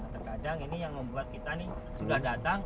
terkadang ini yang membuat kita nih sudah datang